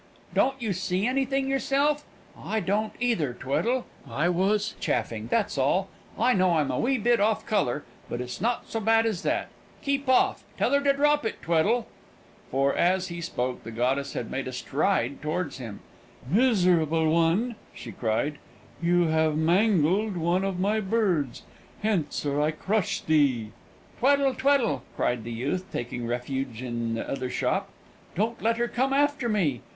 Don't you see anything yourself? I don't either, Tweddle; I was chaffing, that's all. I know I'm a wee bit off colour; but it's not so bad as that. Keep off! Tell her to drop it, Tweddle!" [Illustration: "KEEP OFF! TELL HER TO DROP IT, TWEDDLE!"] For, as he spoke, the goddess had made a stride towards him. "Miserable one!" she cried, "you have mangled one of my birds. Hence, or I crush thee!" "Tweddle! Tweddle!" cried the youth, taking refuge in the other shop, "don't let her come after me!